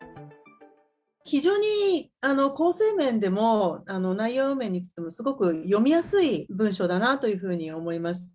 非常に構成面でも内容面についても、すごく読みやすい文章だなと思いました。